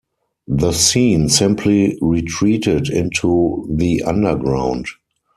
The scene simply retreated into the underground.